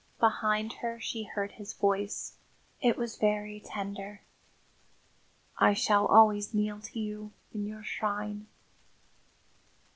Behind her she heard his voice; it was very tender. "I shall always kneel to you in your shrine."